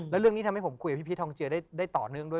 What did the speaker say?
แล้วเรื่องนี้ทำให้ผมคุยกับพี่พีชทองเจือได้ต่อเนื่องด้วย